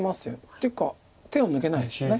っていうか手を抜けないですよね。